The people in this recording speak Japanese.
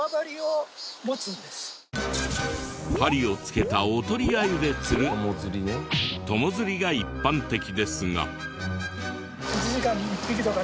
針をつけたおとりアユで釣る友釣りが一般的ですが。